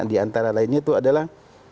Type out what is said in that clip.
di antara lainnya itu adalah